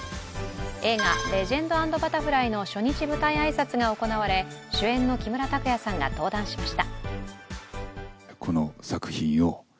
映画「レジェンド＆バタフライ」の初日舞台挨拶が行われ主演の木村拓哉さんが登壇しました。